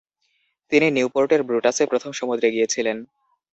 তিনি নিউপোর্টের ব্রুটাসে প্রথম সমুদ্রে গিয়েছিলেন।